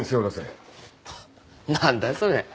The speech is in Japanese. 何だそれ。